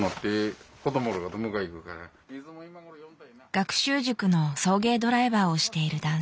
学習塾の送迎ドライバーをしている男性。